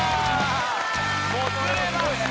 もつれました！